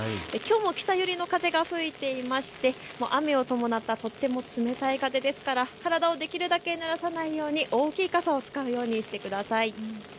きょうも北寄りの風が吹いていまして雨を伴ったとても冷たい風ですから体をできるだけぬらさないように大きい傘を使うようにしてください。